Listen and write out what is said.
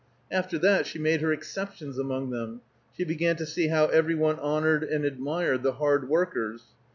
After that she made her exceptions among them; she begun to see how every one honored and admired the hard workers.